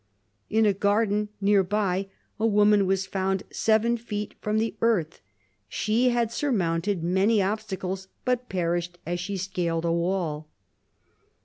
In a garden near by a woman was found seven feet from the earth. She had surmounted many obstacles, but perished as she scaled a wall.